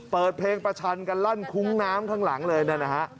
เปิดเพลงประชันกันลั่นคุ้งน้ำข้างหลังเลยนะฮะ